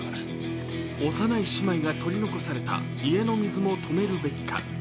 幼い姉妹が取り残された家の水を止めるべきか。